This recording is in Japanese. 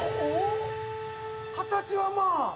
形はまぁ。